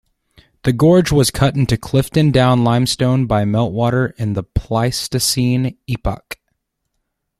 The gorge was cut into Clifton Down Limestone by meltwater in the Pleistocene Epoch.